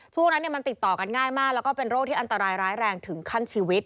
ช่วงนั้นมันติดต่อกันง่ายมากแล้วก็เป็นโรคที่อันตรายร้ายแรงถึงขั้นชีวิต